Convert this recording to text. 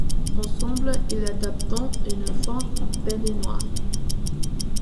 Ensemble ils adoptent un enfant béninois.